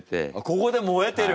ここでもえてる！